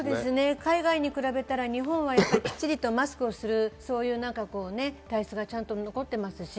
海外に比べたら日本はきっちりマスクをするっていう対策が残ってますし。